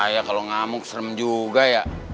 ya kalau ngamuk serem juga ya